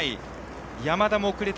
山田も遅れた。